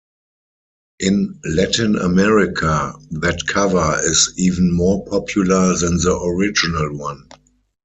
In Latin America, that cover is even more popular than the original one.